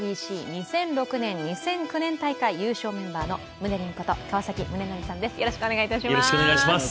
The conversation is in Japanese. ２００６年・２００９年大会優勝メンバーのムネリンこと川崎宗則さんです。